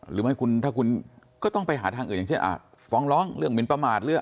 หรือไม่คุณถ้าคุณก็ต้องไปหาทางอื่นอย่างเช่นฟ้องร้องเรื่องหินประมาทหรือ